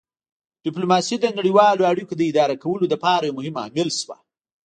ډیپلوماسي د نړیوالو اړیکو د اداره کولو لپاره یو مهم عامل شوه